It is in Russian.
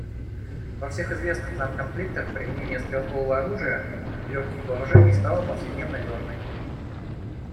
Во всех известных нам конфликтах применение стрелкового оружия и легких вооружений стало повседневной нормой.